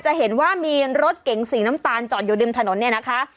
จะเห็นว่ามีรถเก๋งสีน้ำตาลจอดอยู่ริมถนนเนี่ยนะคะ